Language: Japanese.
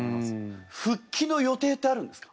復帰の予定ってあるんですか？